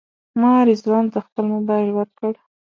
ما رضوان ته خپل موبایل ورکړ.